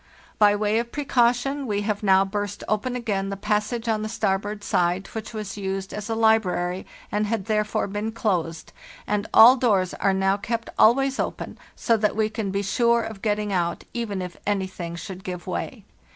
" By way of precaution we have now burst open again the passage on the starboard side which was used as a library and had therefore been closed, and all doors are now kept always open, so that we can be sure of getting out, even if anything should give way.